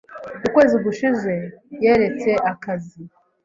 Mu kwezi gushize, yaretse akazi.